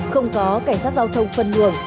không có cảnh sát giao thông phân nguồn